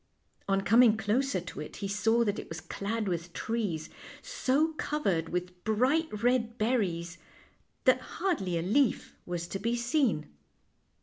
On coming closer to it he saw that it was clad with trees, so covered with bright red berries that hardly a leaf was to be seen.